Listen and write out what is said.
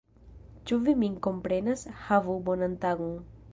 Ĉu vi min komprenas? Havu bonan tagon!